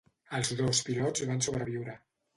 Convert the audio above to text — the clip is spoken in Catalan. Els dos pilots van sobreviure.